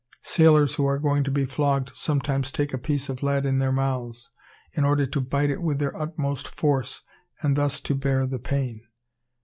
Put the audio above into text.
Sailors who are going to be flogged sometimes take a piece of lead into their mouths, in order to bite it with their utmost force, and thus to bear the pain.